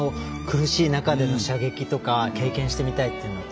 苦しい中での射撃とか経験してみたいなって。